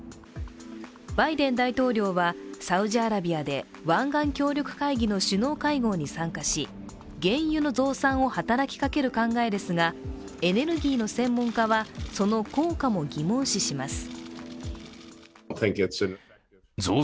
バイデン大統領はサウジアラビアで湾岸協力会議の首脳会合に参加し原油の増産を働きかける考えですが、エネルギーの専門家は、その効果も疑問視します。